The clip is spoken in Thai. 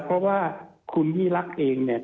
เพราะว่าคุณพี่ลักษณ์เองเนี่ย